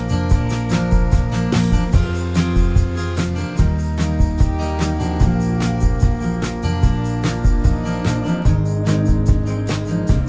ใช่แต่ก็เนี่ยค่ะที่วางไว้คือไม่เดือนหน้าก็เดือนถังไป